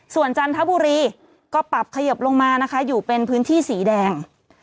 ส่วนจันทบุรีก็ปรับขยบลงมานะคะอยู่เป็นพื้นที่สีแดง